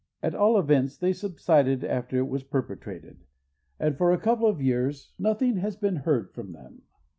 At all events, they subsided after it was perpetrated, and for a couple of years nothing has been heard from them.